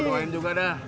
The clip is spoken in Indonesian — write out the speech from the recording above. buroin juga dah